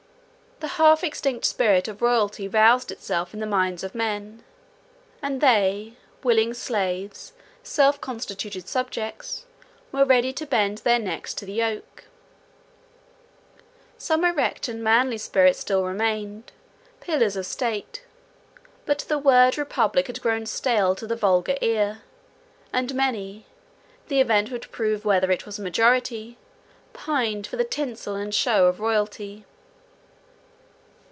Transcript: The half extinct spirit of royalty roused itself in the minds of men; and they, willing slaves, self constituted subjects, were ready to bend their necks to the yoke. Some erect and manly spirits still remained, pillars of state; but the word republic had grown stale to the vulgar ear; and many—the event would prove whether it was a majority— pined for the tinsel and show of royalty.